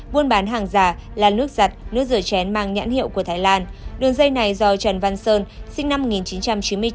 buôn bán hàng giả là nước giặt nước rửa chén mang nhãn hiệu của thái lan đường dây này do trần văn sơn sinh năm một nghìn chín trăm chín mươi chín